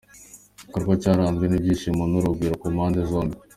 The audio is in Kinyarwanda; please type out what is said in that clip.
Iki gikorwa cyaranzwe n'ibyishimo n'urugwiro ku mpande zombi.